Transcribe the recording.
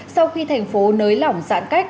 sau khi thành phố nới lỏng giãn cách